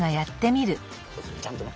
ちゃんとね。